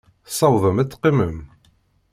Tessawḍem ad teqqimem?